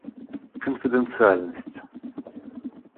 Конфиденциальность